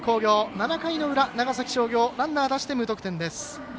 ７回の裏、長崎商業ランナー出して、無得点です。